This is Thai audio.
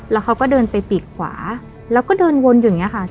แล้วเขาก็เดินไปปีกขวาแล้วก็เดินวนอยู่อย่างนี้ค่ะ